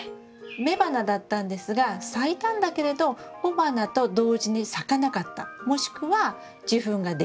雌花だったんですが咲いたんだけれど雄花と同時に咲かなかったもしくは受粉ができなかった。